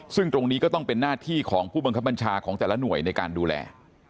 ซึ่งตรงนี้ก็ต้องเป็นหน้าที่ของผู้บังคับบัญชาของแต่ละหน่วยในการดูแล